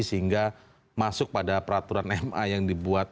sehingga masuk pada peraturan ma yang dibuat